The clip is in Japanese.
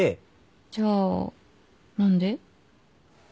じゃあ何で？